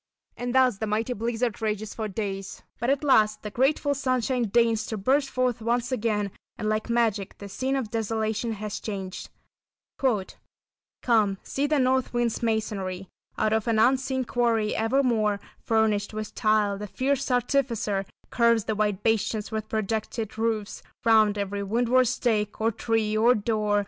And thus the mighty blizzard rages for days. But at last the grateful sunshine deigns to burst forth once again, and like magic the scene of desolation has changed: "Come, see the North Wind's masonry Out of an unseen quarry evermore Furnished with tile, the fierce artificer Curves the white bastions with projected roof Round every windward stake, or tree or door.